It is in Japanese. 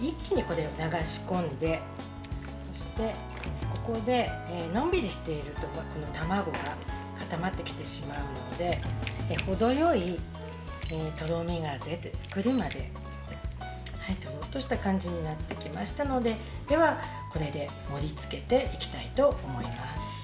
一気に、これを流し込んでそして、ここでのんびりしていると卵が固まってきてしまうので程よいとろみが出てとろっとした感じになってきましたのででは、これで盛りつけていきたいと思います。